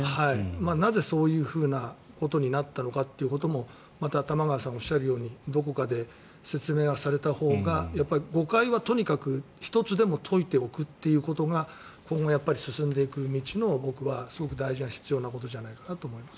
なぜ、そういうことになったのかということもまた玉川さんがおっしゃるようにどこかで説明はされたほうが誤解はとにかく１つでも解いておくっていうことが今後、進んでいく道のすごく大事な必要なことじゃないかなと思います。